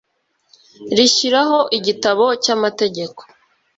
rishyiraho Igitabo cy amategeko